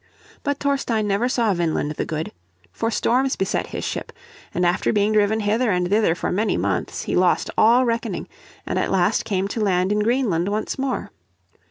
But Thorstein never saw Vineland the Good. For storms beset his ship, and after being driven hither and thither for many months, he lost all reckoning, and at last came to land in Greenland once more.